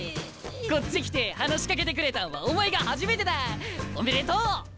こっち来て話しかけてくれたんはお前が初めてだ！おめでとう！